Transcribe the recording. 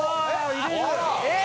えっ？